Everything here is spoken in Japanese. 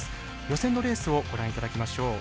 予選のレースをご覧いただきましょう。